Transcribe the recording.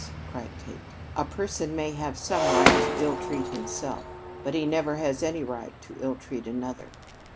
cried Kate. "A person may have some right to ill treat himself, but he never has any right to ill treat another."